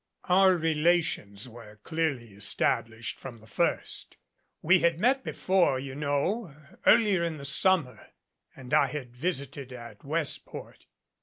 "Our relations were clearly established from the first. We had met before, you know, earlier in the summer, and I had visited at Westport.